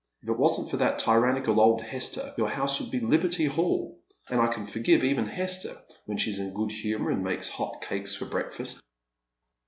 If it wasn't for that tyrannical old Hester, your house would be liberty hall ; and I can forgive even Hester when she is in a good humour and makes hot cakes for breakfast."